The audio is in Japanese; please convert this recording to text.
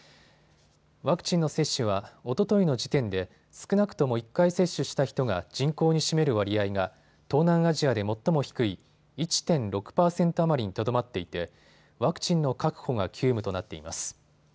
ワクチンの接種はおとといの時点で少なくとも１回接種した人が人口に占める割合が東南アジアで最も低い１．６％余りにとどまっていてワクチンの確保が急務となっています。